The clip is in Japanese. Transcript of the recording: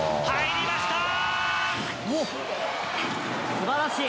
素晴らしい！